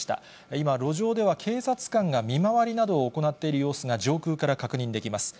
今、路上では警察官が見回りなどを行っている様子が、上空から確認できます。